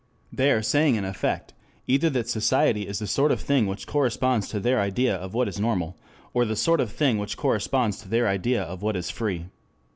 They are saying in effect either that society is the sort of thing which corresponds to their idea of what is normal, or the sort of thing which corresponds to their idea of what is free.